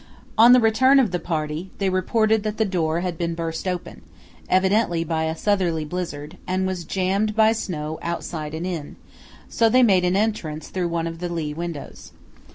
On the return of the party they reported that the door had been burst open, evidently by a southerly blizzard, and was jammed by snow outside and in, so they made an entrance through one of the lee windows.